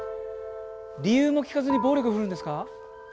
理由も聞かずに暴力振るうんですか。